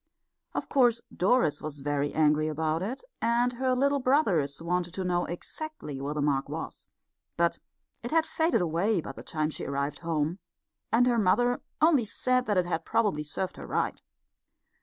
Of course Doris was very angry about it, and her little brothers wanted to know exactly where the mark was. But it had faded away by the time she arrived home, and her mother only said that it had probably served her right.